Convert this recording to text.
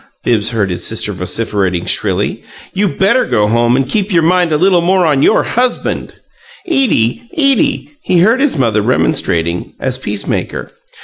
Bibbs heard his sister vociferating, shrilly. "You better go home and keep your mind a little more on your HUSBAND!" "Edie, Edie!" he heard his mother remonstrating, as peacemaker.